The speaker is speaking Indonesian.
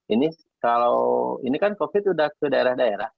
ini kalau ini kan covid sembilan belas sudah ke daerah daerah